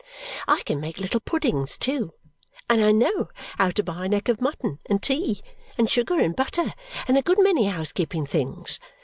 I can make little puddings too; and I know how to buy neck of mutton, and tea, and sugar, and butter, and a good many housekeeping things.